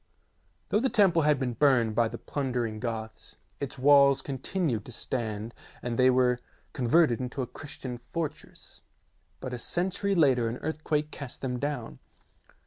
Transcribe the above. Though the temple had been burned by the plundering Goths, its walls continued to stand and they were converted into a Christian fortress, but a century later an earthquake cast them down.